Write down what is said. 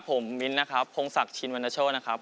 ผมมิ้นนะครับพงศักดิ์ชินวรรณโชธนะครับ